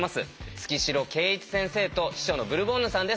月城慶一先生と秘書のブルボンヌさんです。